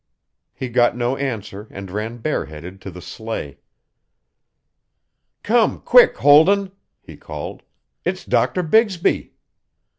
He got no answer and ran bareheaded to the sleigh. 'Come, quick, Holden,' he called, 'it's Doctor Bigsby.'